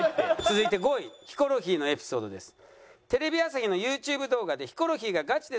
続いて５位ヒコロヒーのエピソードです。